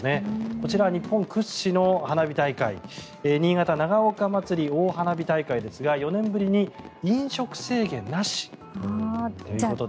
こちらは日本屈指の花火大会新潟・長岡まつり大花火大会ですが４年ぶりに飲食制限なしということで。